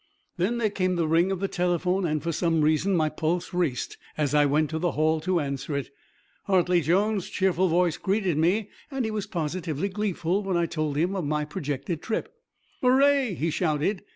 Then there came the ring of the telephone and, for some reason, my pulse raced as I went to the hall to answer it. Hartley Jones' cheerful voice greeted me and he was positively gleeful when I told him of my projected trip. "Hooray!" he shouted.